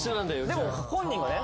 でも本人がね